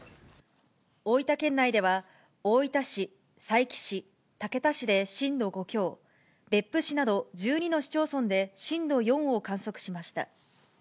大分県内では、大分市、佐伯市、竹田市で震度５強、別府市など１２の市町村で震度４を観測しました。